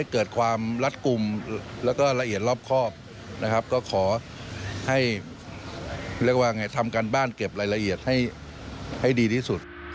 ก็ขอให้ทำการบ้านเก็บรายละเอียดให้ดีที่สุด